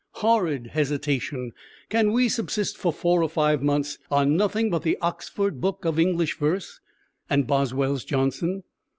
Horrid hesitation: can we subsist for four or five months on nothing but the "Oxford Book of English Verse" and Boswell's Johnson?